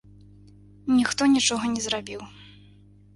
Ніхто нічога не зрабіў.